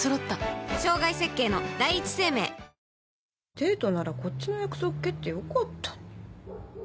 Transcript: デートならこっちの約束蹴ってよかったのに。